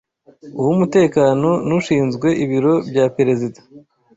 uw’Umutekano n’ushinzwe ibiro bya Perezida